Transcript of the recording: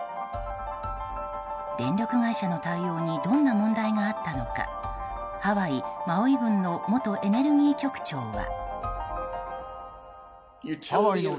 電力会社の対応にどんな問題があったのかハワイ・マウイ郡の元エネルギー局長は。